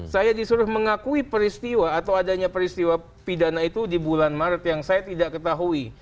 saya disuruh mengakui peristiwa atau adanya peristiwa pidana itu di bulan maret yang saya tidak ketahui